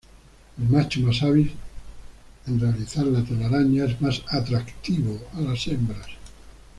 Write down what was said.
El macho más hábil en realizar la telaraña es más "atractivo" a las hembras.